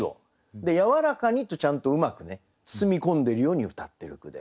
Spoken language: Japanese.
で「やはらかに」とちゃんとうまくね包み込んでるようにうたってる句で。